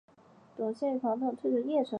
董宪与庞萌退守郯城。